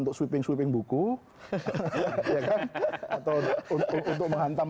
untuk sweeping sweeping buku atau untuk menghantam